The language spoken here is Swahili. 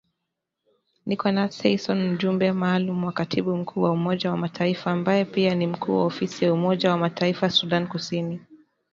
Nicholas Haysom mjumbe maalum wa katibu mkuu wa Umoja wa Mataifa, ambae pia ni mkuu wa ofisi ya Umoja wa Mataifa Sudan Kusini